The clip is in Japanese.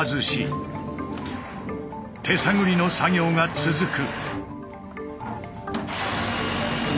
手探りの作業が続く。